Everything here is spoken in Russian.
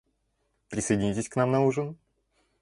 Присоединитесь к нам на ужин?